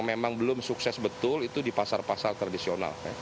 memang belum sukses betul itu di pasar pasar tradisional